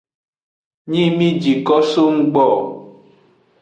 Nyi mi ji ko so nggbo.